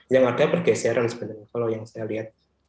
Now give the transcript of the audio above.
yang ada pergeseran sebenarnya kalau yang saya lihat